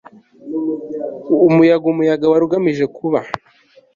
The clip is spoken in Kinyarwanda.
umuyaga umuyaga wari ugamije kuba